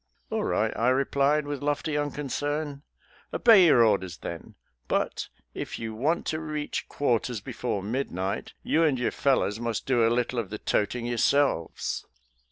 "All right," I replied with lofty unconcern, " obey your orders, then ; but, if you want to reach quarters before midnight, you and your fellows must do a little of the toting yourselves."